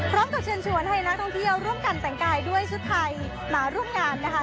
เชิญชวนให้นักท่องเที่ยวร่วมกันแต่งกายด้วยชุดไทยมาร่วมงานนะคะ